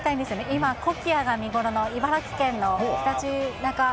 今、コキアが見頃の茨城県のひたちなか市。